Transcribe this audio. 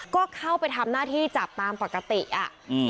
ก็เข้าไปทำหน้าที่จับตามปกติอ่ะอืม